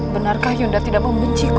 benarkah yunda tidak membenciku